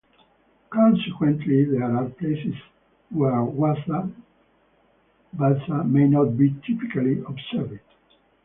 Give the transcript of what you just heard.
Consequently, there are places where Vassa may not be typically observed.